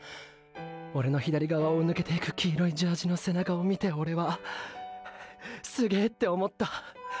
オレの左側をぬけていく黄色いジャージの背中を見てオレはすげぇって思った。